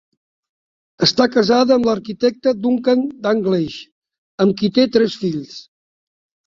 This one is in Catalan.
Està casada amb l'arquitecte Duncan Dalgleish, amb qui té tres fills.